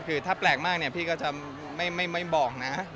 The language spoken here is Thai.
คือถ้าแปลกมากเนี่ยพี่ก็จะไม่บอกนะบอกว่าโอเค